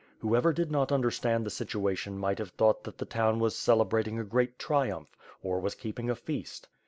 Whoever did not understand the situation might have thought that the town was celebrating a great triumph, or was keeping a feast.